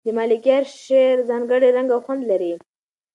د ملکیار شعر ځانګړی رنګ او خوند لري.